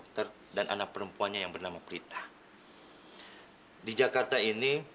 tidak ada yang bisa mencari teman lain